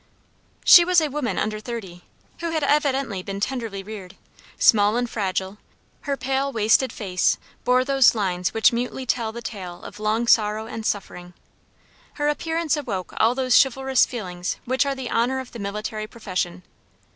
She was a woman under thirty, who had evidently been tenderly reared; small and fragile, her pale, wasted face bore those lines which mutely tell the tale of long sorrow and suffering. Her appearance awoke all those chivalrous feelings which are the honor of the military profession.